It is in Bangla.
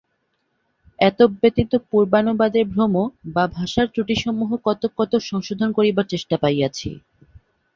এতদ্ব্যতীত পূর্বানুবাদের ভ্রম বা ভাষার ত্রুটিসমূহ কতক কতক সংশোধন করিবার চেষ্টা পাইয়াছি।